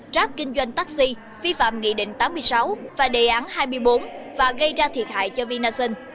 grab kinh doanh taxi vi phạm nghị định tám mươi sáu và đề án hai mươi bốn và gây ra thiệt hại cho vinasun